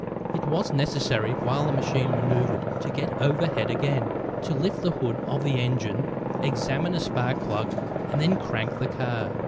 It was necessary, while the machine manoeuvred to get overhead again, to lift the hood of the engine, examine a spark plug and then crank the car.